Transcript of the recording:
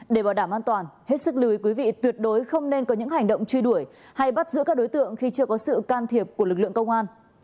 để bảo đảm an toàn hết sức lưu ý quý vị tuyệt đối không nên có những hành động truy đuổi hay bắt giữ các đối tượng khi chưa có sự can thiệp của lực lượng công an